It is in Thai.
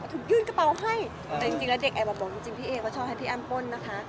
พี่อัมมีกระเป๋าให้แต่เด็กแอบมาบอกจริงพี่เอ๊ยเขาชอบให้พี่อัมป้นนะคะ